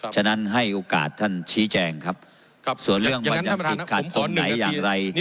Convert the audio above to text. ฉะนั้นให้โอกาสท่านชี้แจงครับครับส่วนเรื่องอย่างไร